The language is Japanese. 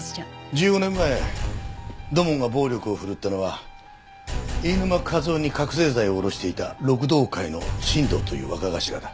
１５年前土門が暴力を振るったのは飯沼和郎に覚せい剤を卸していた六道会の進藤という若頭だ。